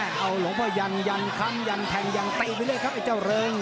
เอาหลวงพ่อยันยันค้ำยันแทงยันตีไปเลยครับไอ้เจ้าเริง